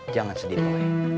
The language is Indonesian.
jangan sedih boy